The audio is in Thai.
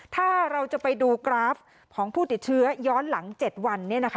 ถ้าเราจะไปดูกราฟของผู้ติดเชื้อย้อนหลัง๗วัน